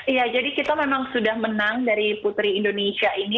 iya jadi kita memang sudah menang dari putri indonesia ini